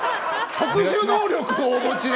特殊能力をお持ちで。